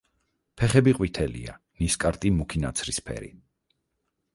ფეხები ყვითელია, ნისკარტი მუქი ნაცრისფერი.